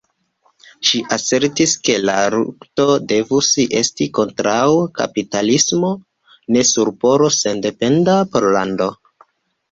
Ŝi asertis ke la lukto devus esti kontraŭ kapitalismo, ne nur por sendependa Pollando.